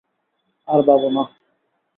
আর, বাবু না।